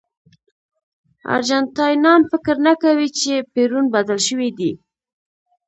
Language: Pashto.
ارجنټاینان فکر نه کوي چې پېرون بدل شوی دی.